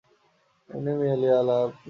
এমনি মেয়েলি আলাপ।